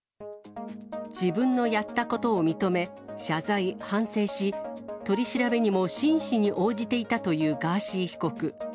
自分のやったことを認め、謝罪、反省し、取り調べにも真摯に応じていたというガーシー被告。